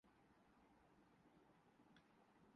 Europe میں سال کے بیشتر حصے